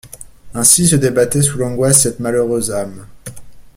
Ainsi se débattait sous l’angoisse cette malheureuse âme.